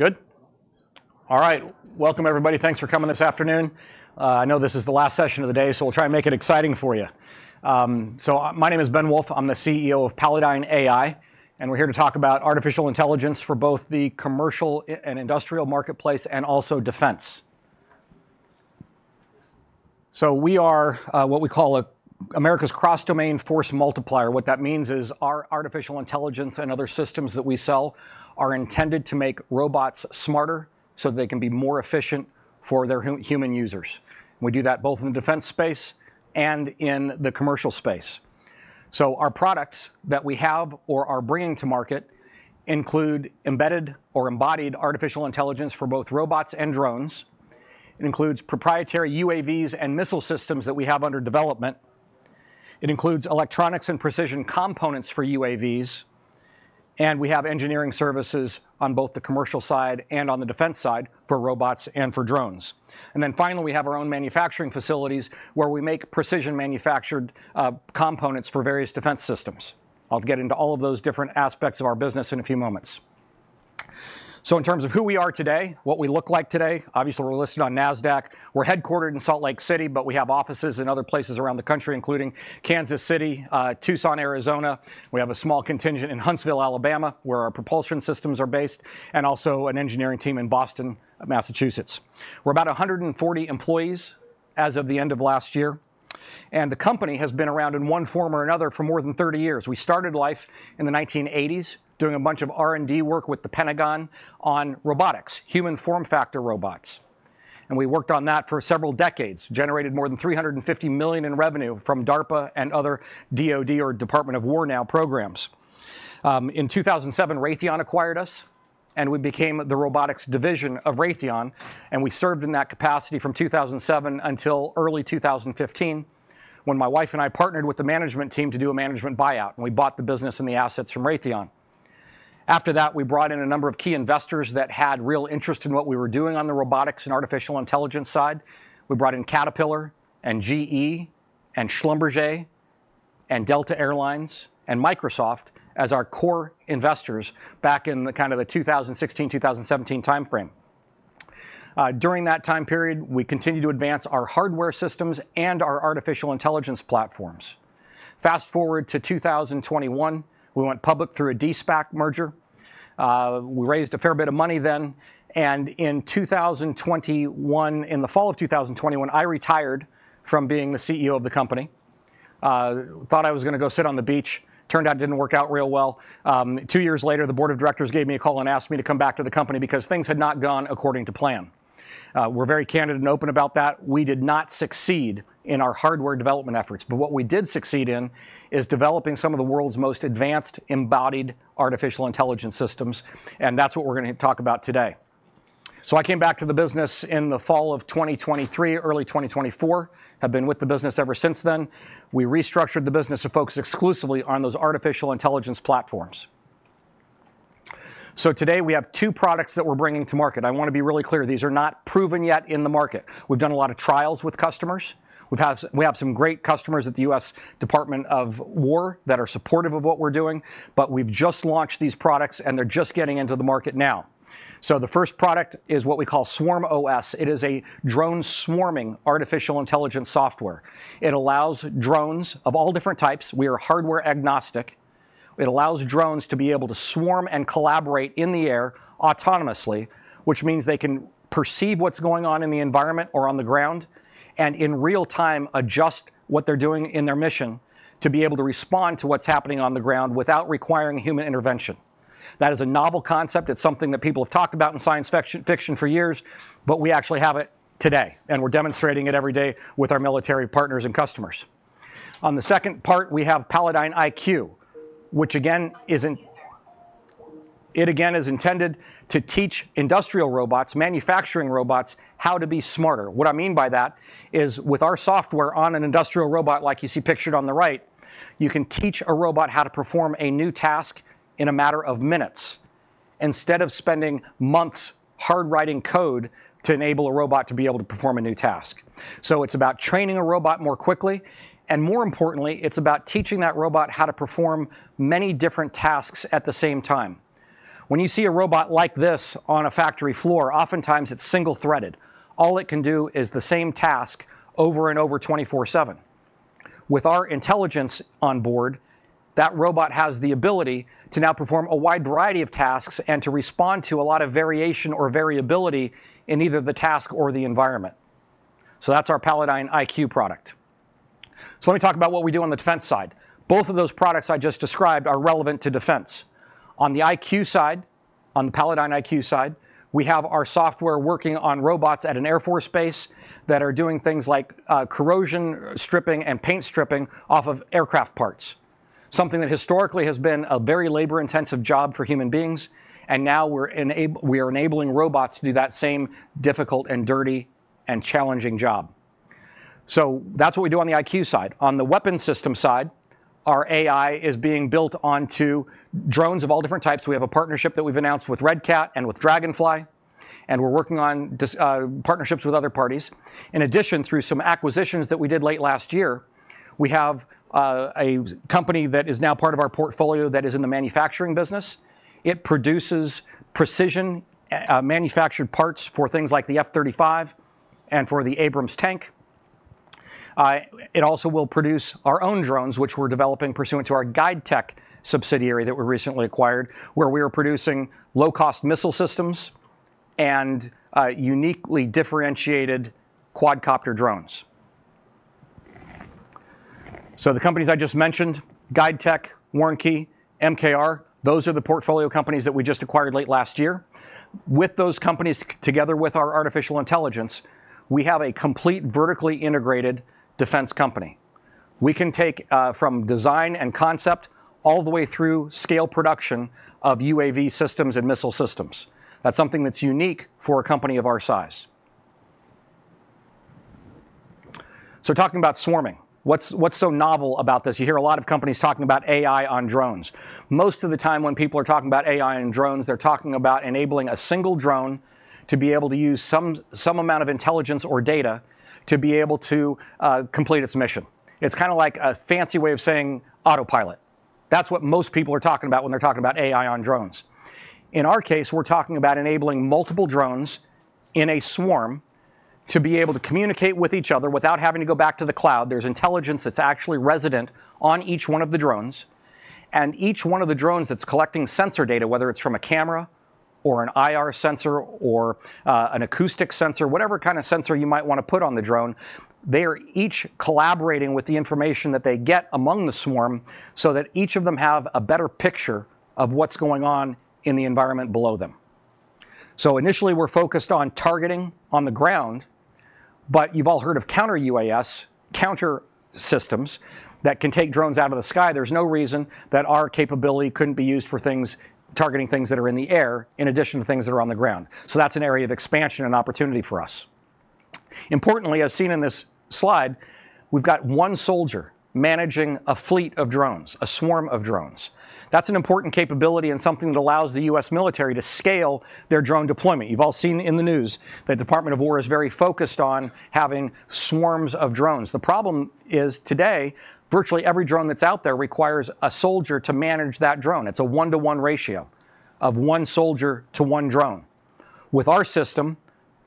Good. All right. Welcome, everybody. Thanks for coming this afternoon. I know this is the last session of the day, so we'll try and make it exciting for you. So my name is Ben Wolff. I'm the CEO of Palladyne AI, and we're here to talk about artificial intelligence for both the commercial and industrial marketplace and also defense. So we are what we call America's cross-domain force multiplier. What that means is our artificial intelligence and other systems that we sell are intended to make robots smarter so that they can be more efficient for their human users. We do that both in the defense space and in the commercial space. So our products that we have or are bringing to market include embedded or embodied artificial intelligence for both robots and drones. It includes proprietary UAVs and missile systems that we have under development. It includes electronics and precision components for UAVs. And we have engineering services on both the commercial side and on the defense side for robots and for drones. And then finally, we have our own manufacturing facilities where we make precision-manufactured components for various defense systems. I'll get into all of those different aspects of our business in a few moments. So in terms of who we are today, what we look like today, obviously we're listed on NASDAQ. We're headquartered in Salt Lake City, but we have offices in other places around the country, including Kansas City, Tucson, Arizona. We have a small contingent in Huntsville, Alabama, where our propulsion systems are based, and also an engineering team in Boston, Massachusetts. We're about 140 employees as of the end of last year, and the company has been around in one form or another for more than 30 years. We started life in the 1980s doing a bunch of R&D work with the Pentagon on robotics, human form factor robots. We worked on that for several decades, generated more than $350 million in revenue from DARPA and other DOD or Department of War now programs. In 2007, Raytheon acquired us, and we became the robotics division of Raytheon. We served in that capacity from 2007 until early 2015 when my wife and I partnered with the management team to do a management buyout, and we bought the business and the assets from Raytheon. After that, we brought in a number of key investors that had real interest in what we were doing on the robotics and artificial intelligence side. We brought in Caterpillar and GE and Schlumberger and Delta Air Lines and Microsoft as our core investors back in the kind of 2016, 2017 timeframe. During that time period, we continued to advance our hardware systems and our artificial intelligence platforms. Fast forward to 2021, we went public through a D-SPAC merger. We raised a fair bit of money then, and in 2021, in the fall of 2021, I retired from being the CEO of the company. Thought I was going to go sit on the beach. Turned out it didn't work out real well. Two years later, the board of directors gave me a call and asked me to come back to the company because things had not gone according to plan. We're very candid and open about that. We did not succeed in our hardware development efforts, but what we did succeed in is developing some of the world's most advanced embodied artificial intelligence systems, and that's what we're going to talk about today. I came back to the business in the fall of 2023, early 2024, and have been with the business ever since then. We restructured the business to focus exclusively on those artificial intelligence platforms. Today we have two products that we're bringing to market. I want to be really clear, these are not proven yet in the market. We've done a lot of trials with customers. We have some great customers at the U.S. Department of Defense that are supportive of what we're doing, but we've just launched these products and they're just getting into the market now. The first product is what we call SwarmOS. It is a drone swarming artificial intelligence software. It allows drones of all different types. We are hardware agnostic. It allows drones to be able to swarm and collaborate in the air autonomously, which means they can perceive what's going on in the environment or on the ground and in real time adjust what they're doing in their mission to be able to respond to what's happening on the ground without requiring human intervention. That is a novel concept. It's something that people have talked about in science fiction for years, but we actually have it today, and we're demonstrating it every day with our military partners and customers. On the second part, we have Palladyne IQ, which again is intended to teach industrial robots, manufacturing robots, how to be smarter. What I mean by that is with our software on an industrial robot, like you see pictured on the right, you can teach a robot how to perform a new task in a matter of minutes instead of spending months hand-writing code to enable a robot to be able to perform a new task. So it's about training a robot more quickly. And more importantly, it's about teaching that robot how to perform many different tasks at the same time. When you see a robot like this on a factory floor, oftentimes it's single-threaded. All it can do is the same task over and over 24/7. With our intelligence on board, that robot has the ability to now perform a wide variety of tasks and to respond to a lot of variation or variability in either the task or the environment. So that's our Palladyne IQ product. So let me talk about what we do on the defense side. Both of those products I just described are relevant to defense. On the IQ side, on the Palladyne IQ side, we have our software working on robots at an air force base that are doing things like corrosion stripping and paint stripping off of aircraft parts, something that historically has been a very labor-intensive job for human beings. And now we're enabling robots to do that same difficult and dirty and challenging job. So that's what we do on the IQ side. On the weapons system side, our AI is being built onto drones of all different types. We have a partnership that we've announced with Red Cat and with Draganfly, and we're working on partnerships with other parties. In addition, through some acquisitions that we did late last year, we have a company that is now part of our portfolio that is in the manufacturing business. It produces precision manufactured parts for things like the F-35 and for the Abrams tank. It also will produce our own drones, which we're developing pursuant to our GuideTech subsidiary that we recently acquired, where we are producing low-cost missile systems and uniquely differentiated quadcopter drones. So the companies I just mentioned, GuideTech, Warren & Key, MKR, those are the portfolio companies that we just acquired late last year. With those companies, together with our artificial intelligence, we have a complete vertically integrated defense company. We can take from design and concept all the way through scale production of UAV systems and missile systems. That's something that's unique for a company of our size. So talking about swarming, what's so novel about this? You hear a lot of companies talking about AI on drones. Most of the time when people are talking about AI on drones, they're talking about enabling a single drone to be able to use some amount of intelligence or data to be able to complete its mission. It's kind of like a fancy way of saying autopilot. That's what most people are talking about when they're talking about AI on drones. In our case, we're talking about enabling multiple drones in a swarm to be able to communicate with each other without having to go back to the cloud. There's intelligence that's actually resident on each one of the drones. Each one of the drones that's collecting sensor data, whether it's from a camera or an IR sensor or an acoustic sensor, whatever kind of sensor you might want to put on the drone, they are each collaborating with the information that they get among the swarm so that each of them have a better picture of what's going on in the environment below them. Initially, we're focused on targeting on the ground, but you've all heard of counter-UAS, counter systems that can take drones out of the sky. There's no reason that our capability couldn't be used for targeting things that are in the air in addition to things that are on the ground. That's an area of expansion and opportunity for us. Importantly, as seen in this slide, we've got one soldier managing a fleet of drones, a swarm of drones. That's an important capability and something that allows the U.S. military to scale their drone deployment. You've all seen in the news that the Department of War is very focused on having swarms of drones. The problem is today, virtually every drone that's out there requires a soldier to manage that drone. It's a one-to-one ratio of one soldier to one drone. With our system,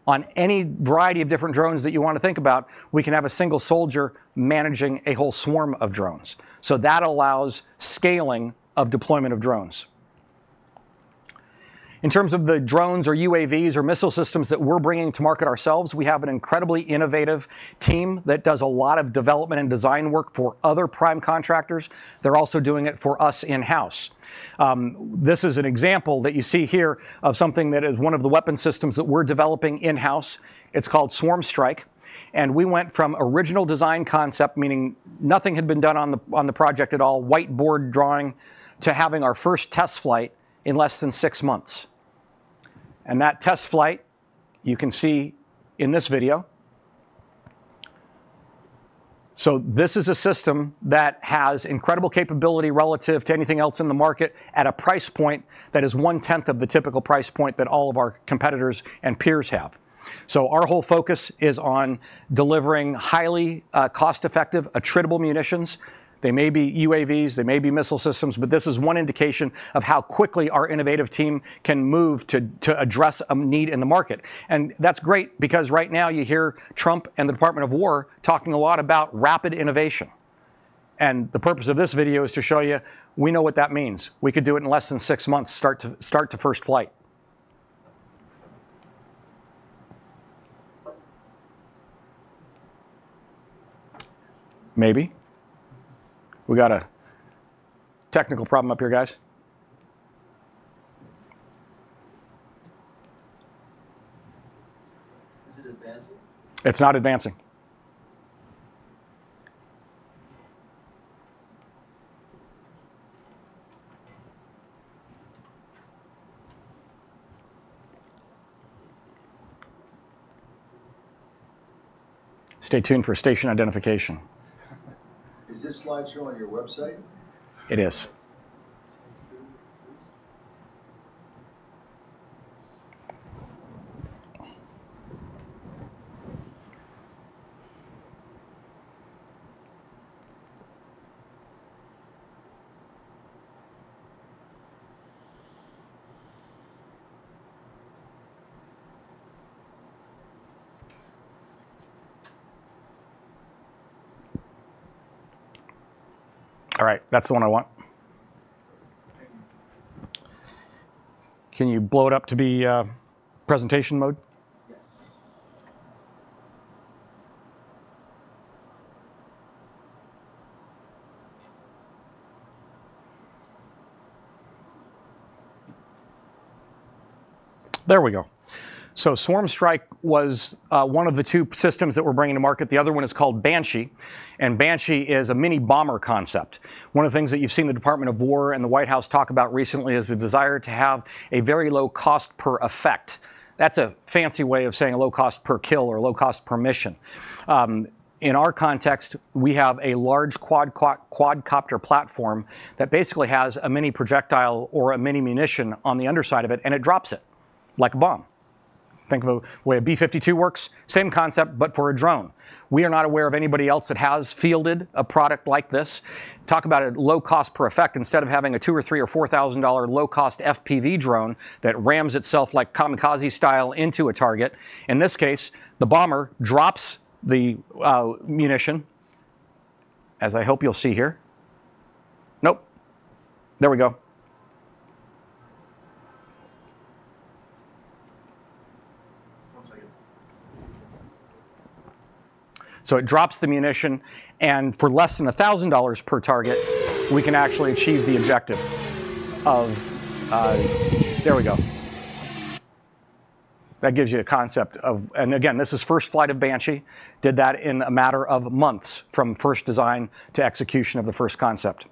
on any variety of different drones that you want to think about, we can have a single soldier managing a whole swarm of drones. So that allows scaling of deployment of drones. In terms of the drones or UAVs or missile systems that we're bringing to market ourselves, we have an incredibly innovative team that does a lot of development and design work for other prime contractors. They're also doing it for us in-house. This is an example that you see here of something that is one of the weapon systems that we're developing in-house. It's called SwarmStrike. And we went from original design concept, meaning nothing had been done on the project at all, whiteboard drawing, to having our first test flight in less than six months. And that test flight, you can see in this video. So this is a system that has incredible capability relative to anything else in the market at a price point that is one-tenth of the typical price point that all of our competitors and peers have. So our whole focus is on delivering highly cost-effective, attritable munitions. They may be UAVs, they may be missile systems, but this is one indication of how quickly our innovative team can move to address a need in the market. That's great because right now you hear Trump and the Department of War talking a lot about rapid innovation. The purpose of this video is to show you we know what that means. We could do it in less than six months, start to first flight. Maybe. We got a technical problem up here, guys. Is it advancing? It's not advancing. Stay tuned for station identification. Is this slide showing your website? It is. All right, that's the one I want. Can you blow it up to be presentation mode? Yes. There we go. SwarmStrike was one of the two systems that we're bringing to market. The other one is called Banshee. Banshee is a mini bomber concept. One of the things that you've seen the Department of War and the White House talk about recently is the desire to have a very low cost per effect. That's a fancy way of saying a low cost per kill or low cost per mission. In our context, we have a large quadcopter platform that basically has a mini projectile or a mini munition on the underside of it, and it drops it like a bomb. Think of the way a B-52 works, same concept, but for a drone. We are not aware of anybody else that has fielded a product like this. Talk about a low cost per effect instead of having a $2,000 or $3,000 or $4,000 low cost FPV drone that rams itself like kamikaze style into a target. In this case, the bomber drops the munition, as I hope you'll see here. Nope. There we go. One second. So it drops the munition, and for less than $1,000 per target, we can actually achieve the objective of there we go. That gives you a concept of, and again, this is first flight of Banshee, did that in a matter of months from first design to execution of the first concept.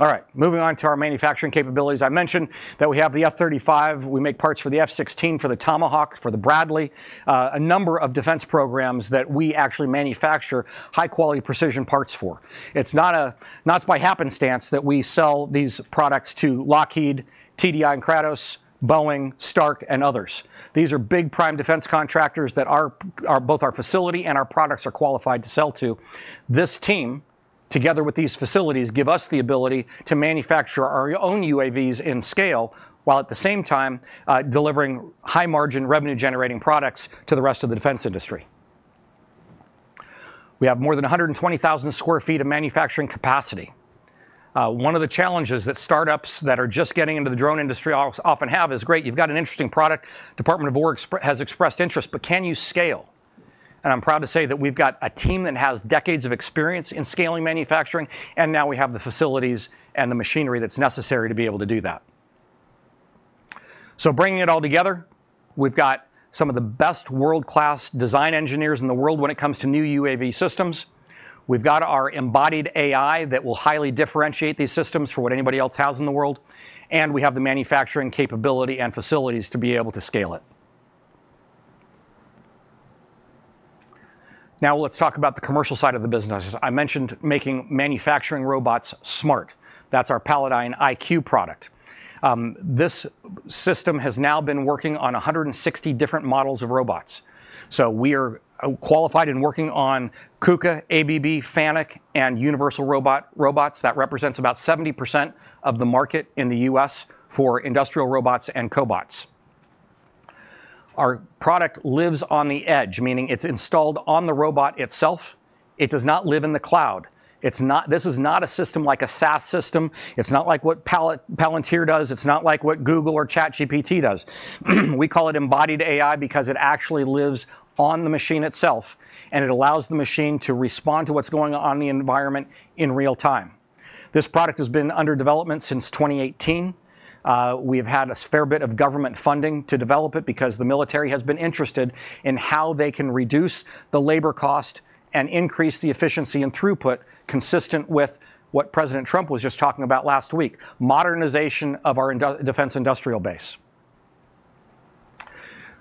All right, moving on to our manufacturing capabilities. I mentioned that we have the F-35, we make parts for the F-16, for the Tomahawk, for the Bradley, a number of defense programs that we actually manufacture high-quality precision parts for. It's not by happenstance that we sell these products to Lockheed, TDI and Kratos, Boeing, Stark, and others. These are big prime defense contractors that both our facility and our products are qualified to sell to. This team, together with these facilities, gives us the ability to manufacture our own UAVs in scale while at the same time delivering high-margin revenue-generating products to the rest of the defense industry. We have more than 120,000 sq ft of manufacturing capacity. One of the challenges that startups that are just getting into the drone industry often have is, great, you've got an interesting product, Department of War has expressed interest, but can you scale, and I'm proud to say that we've got a team that has decades of experience in scaling manufacturing, and now we have the facilities and the machinery that's necessary to be able to do that, so bringing it all together, we've got some of the best world-class design engineers in the world when it comes to new UAV systems. We've got our embodied AI that will highly differentiate these systems from what anybody else has in the world. And we have the manufacturing capability and facilities to be able to scale it. Now let's talk about the commercial side of the business. I mentioned making manufacturing robots smart. That's our Palladyne IQ product. This system has now been working on 160 different models of robots. So we are qualified in working on KUKA, ABB, FANUC, and Universal Robots. That represents about 70% of the market in the U.S. for industrial robots and cobots. Our product lives on the edge, meaning it's installed on the robot itself. It does not live in the cloud. This is not a system like a SaaS system. It's not like what Palantir does. It's not like what Google or ChatGPT does. We call it embodied AI because it actually lives on the machine itself, and it allows the machine to respond to what's going on in the environment in real time. This product has been under development since 2018. We have had a fair bit of government funding to develop it because the military has been interested in how they can reduce the labor cost and increase the efficiency and throughput consistent with what President Trump was just talking about last week, modernization of our defense industrial base.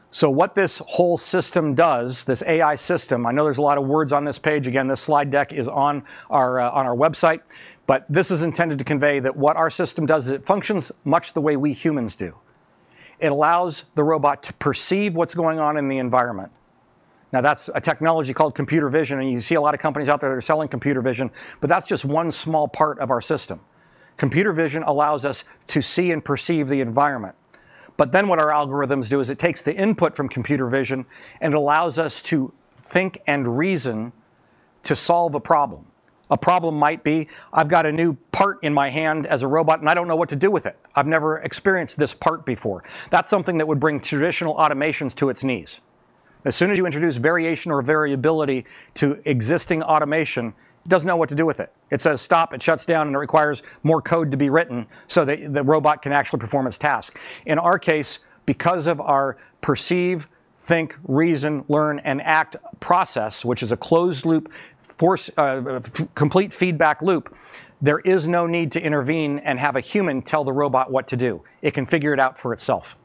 So what this whole system does, this AI system, I know there's a lot of words on this page. Again, this slide deck is on our website, but this is intended to convey that what our system does is it functions much the way we humans do. It allows the robot to perceive what's going on in the environment. Now that's a technology called computer vision, and you see a lot of companies out there that are selling computer vision, but that's just one small part of our system. Computer vision allows us to see and perceive the environment. But then what our algorithms do is it takes the input from computer vision and allows us to think and reason to solve a problem. A problem might be, I've got a new part in my hand as a robot, and I don't know what to do with it. I've never experienced this part before. That's something that would bring traditional automations to its knees. As soon as you introduce variation or variability to existing automation, it doesn't know what to do with it. It says stop, it shuts down, and it requires more code to be written so that the robot can actually perform its task. In our case, because of our perceive, think, reason, learn, and act process, which is a closed loop, complete feedback loop, there is no need to intervene and have a human tell the robot what to do. It can figure it out for itself.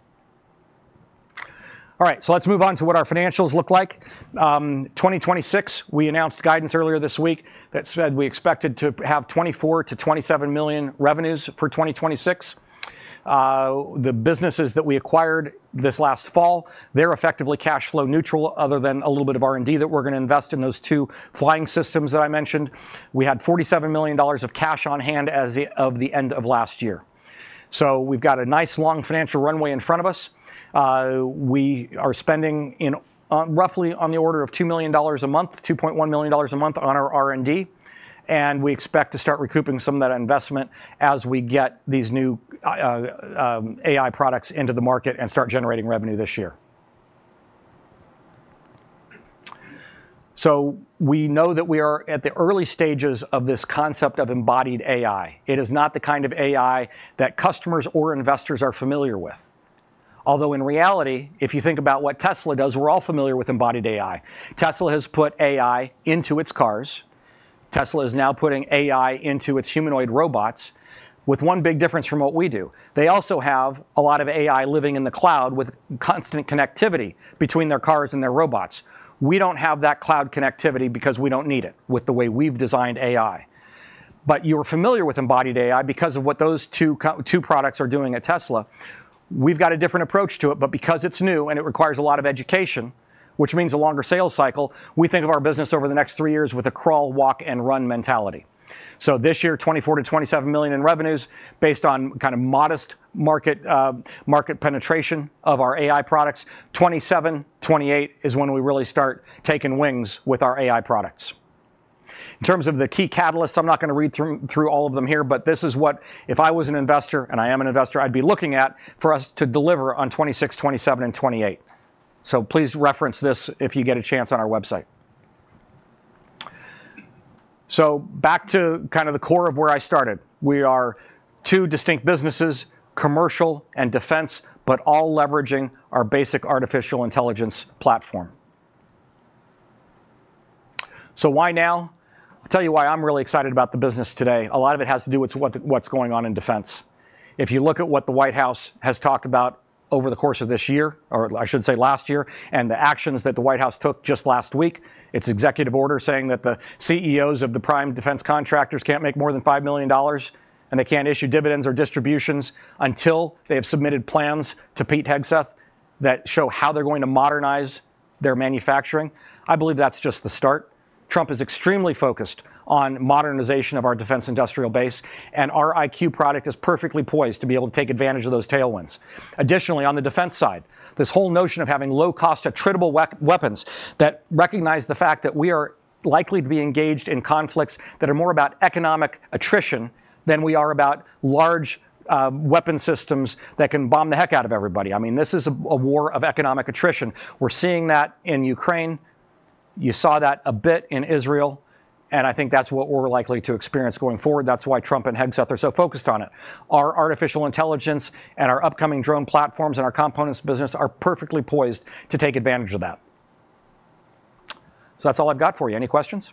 All right, so let's move on to what our financials look like. 2026, we announced guidance earlier this week that said we expected to have $24-$27 million revenues for 2026. The businesses that we acquired this last fall, they're effectively cash flow neutral other than a little bit of R&D that we're going to invest in those two flying systems that I mentioned. We had $47 million of cash on hand as of the end of last year. So we've got a nice long financial runway in front of us. We are spending roughly on the order of $2 million a month, $2.1 million a month on our R&D, and we expect to start recouping some of that investment as we get these new AI products into the market and start generating revenue this year. So we know that we are at the early stages of this concept of embodied AI. It is not the kind of AI that customers or investors are familiar with. Although in reality, if you think about what Tesla does, we're all familiar with embodied AI. Tesla has put AI into its cars. Tesla is now putting AI into its humanoid robots with one big difference from what we do. They also have a lot of AI living in the cloud with constant connectivity between their cars and their robots. We don't have that cloud connectivity because we don't need it with the way we've designed AI. But you're familiar with embodied AI because of what those two products are doing at Tesla. We've got a different approach to it, but because it's new and it requires a lot of education, which means a longer sales cycle, we think of our business over the next three years with a crawl, walk, and run mentality. So this year, $24 million-$27 million in revenues based on kind of modest market penetration of our AI products. 2027, 2028 is when we really start taking wings with our AI products. In terms of the key catalysts, I'm not going to read through all of them here, but this is what, if I was an investor and I am an investor, I'd be looking at for us to deliver on 2026, 2027, and 2028. So please reference this if you get a chance on our website. So back to kind of the core of where I started. We are two distinct businesses, commercial and defense, but all leveraging our basic artificial intelligence platform. So why now? I'll tell you why I'm really excited about the business today. A lot of it has to do with what's going on in defense. If you look at what the White House has talked about over the course of this year, or I should say last year, and the actions that the White House took just last week, its executive order saying that the CEOs of the prime defense contractors can't make more than $5 million, and they can't issue dividends or distributions until they have submitted plans to Pete Hegseth that show how they're going to modernize their manufacturing. I believe that's just the start. Trump is extremely focused on modernization of our defense industrial base, and our IQ product is perfectly poised to be able to take advantage of those tailwinds. Additionally, on the defense side, this whole notion of having low-cost, attritable weapons that recognize the fact that we are likely to be engaged in conflicts that are more about economic attrition than we are about large weapon systems that can bomb the heck out of everybody. I mean, this is a war of economic attrition. We're seeing that in Ukraine. You saw that a bit in Israel, and I think that's what we're likely to experience going forward. That's why Trump and Hegseth are so focused on it. Our artificial intelligence and our upcoming drone platforms and our components business are perfectly poised to take advantage of that. So that's all I've got for you. Any questions?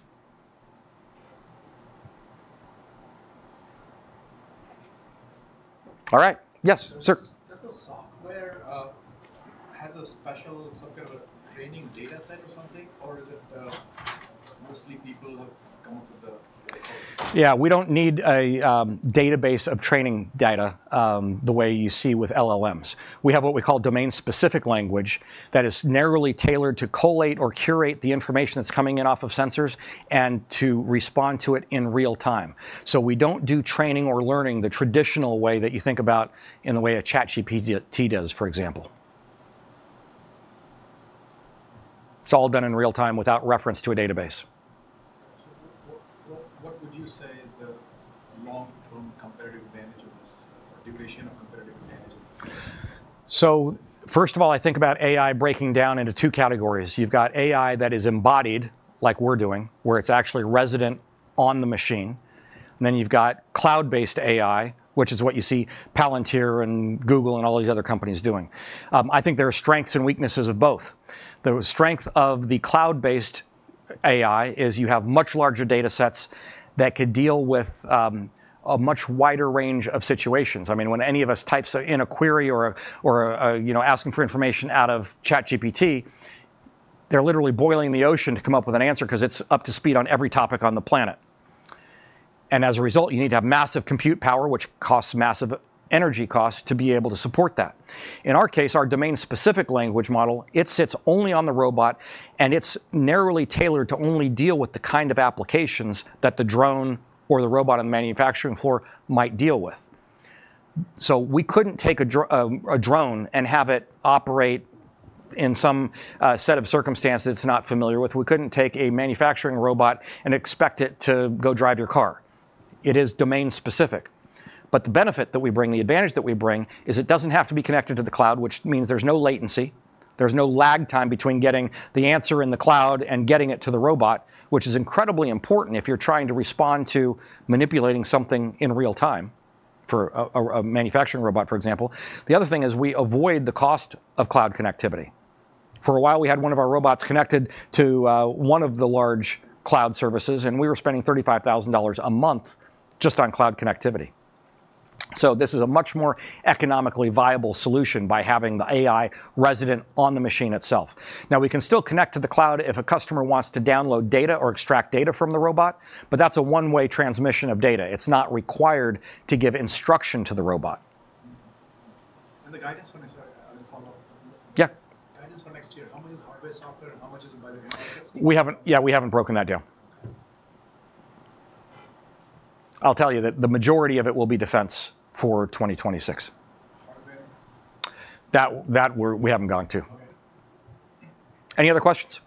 All right. Yes, sir. Does the software have a special, some kind of a training data set or something, or is it mostly people have come up with the? Yeah, we don't need a database of training data the way you see with LLMs. We have what we call domain-specific language that is narrowly tailored to collate or curate the information that's coming in off of sensors and to respond to it in real time. So we don't do training or learning the traditional way that you think about in the way a ChatGPT does, for example. It's all done in real time without reference to a database. What would you say is the long-term competitive advantage of this or duration of competitive advantage of this? So first of all, I think about AI breaking down into two categories. You've got AI that is embodied like we're doing, where it's actually resident on the machine. Then you've got cloud-based AI, which is what you see Palantir and Google and all these other companies doing. I think there are strengths and weaknesses of both. The strength of the cloud-based AI is you have much larger data sets that could deal with a much wider range of situations. I mean, when any of us types in a query or asking for information out of ChatGPT, they're literally boiling the ocean to come up with an answer because it's up to speed on every topic on the planet, and as a result, you need to have massive compute power, which costs massive energy costs to be able to support that. In our case, our domain-specific language model, it sits only on the robot, and it's narrowly tailored to only deal with the kind of applications that the drone or the robot on the manufacturing floor might deal with. So we couldn't take a drone and have it operate in some set of circumstances it's not familiar with. We couldn't take a manufacturing robot and expect it to go drive your car. It is domain-specific. But the benefit that we bring, the advantage that we bring, is it doesn't have to be connected to the cloud, which means there's no latency. There's no lag time between getting the answer in the cloud and getting it to the robot, which is incredibly important if you're trying to respond to manipulating something in real time for a manufacturing robot, for example. The other thing is we avoid the cost of cloud connectivity. For a while, we had one of our robots connected to one of the large cloud services, and we were spending $35,000 a month just on cloud connectivity. So this is a much more economically viable solution by having the AI resident on the machine itself. Now, we can still connect to the cloud if a customer wants to download data or extract data from the robot, but that's a one-way transmission of data. It's not required to give instruction to the robot. And the guidance, can I follow up on this? Yeah. Guidance for next year, how much is hardware software and how much is embodied AI? Yeah, we haven't broken that down. I'll tell you that the majority of it will be defense for 2026. Hardware? That we haven't gone to. Any other questions?